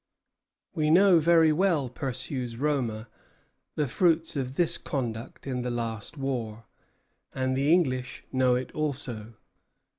"We know very well," pursues Roma, "the fruits of this conduct in the last war; and the English know it also.